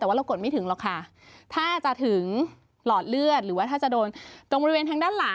แต่ว่าเรากดไม่ถึงหรอกค่ะ